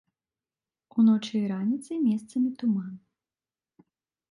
Уночы і раніцай месцамі туман.